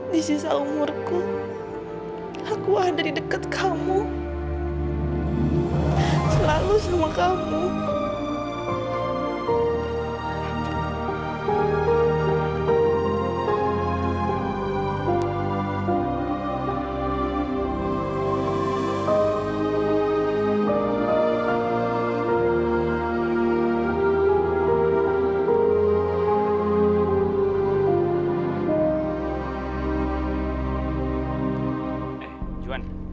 di sisa umurku aku akan ada di dekat kamu